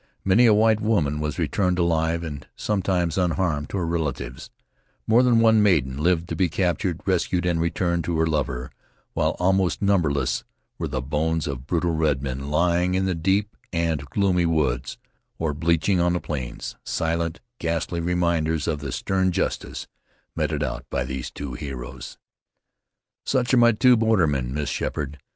Many a white woman was returned alive and, sometimes, unharmed to her relatives; more than one maiden lived to be captured, rescued, and returned to her lover, while almost numberless were the bones of brutal redmen lying in the deep and gloomy woods, or bleaching on the plains, silent, ghastly reminders of the stern justice meted out by these two heroes. "Such are my two bordermen, Miss Sheppard.